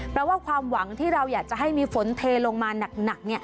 เพราะว่าความหวังที่เราอยากจะให้มีฝนเทลงมาหนัก